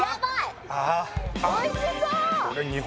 おいしそう！